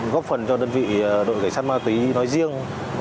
góp phần cho đơn vị đội cảnh sát ma túy nói riêng